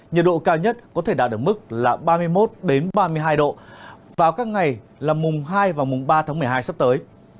nhiệt độ cao nhất có thể đạt ở mức là ba mươi một ba mươi hai độ vào các ngày là mùng hai và mùng ba tháng một mươi hai sắp tới